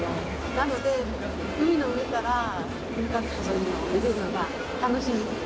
なので海の上から軍艦とかそういうのを見れるのが楽しみです。